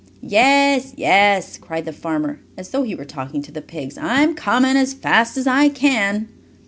"Yes, yes!" cried the farmer, as though he were talking to the pigs. "I'm coming as fast as I can."